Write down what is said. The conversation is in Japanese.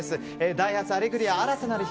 「ダイハツアレグリア‐新たなる光‐」